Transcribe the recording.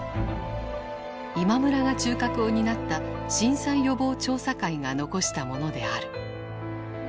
今村が中核を担った震災予防調査会が残したものである。